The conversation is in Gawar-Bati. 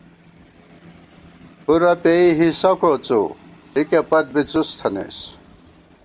کُھرَہ پېئی حصہ کوڅُو ݪِکےپت بی څھسِی تنَئیس